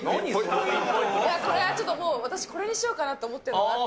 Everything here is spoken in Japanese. これはもう私、これにしようかなっていうのがあって。